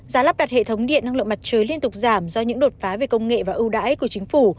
giá lắp đặt hệ thống điện năng lượng mặt trời liên tục giảm do những đột phá về công nghệ và ưu đãi của chính phủ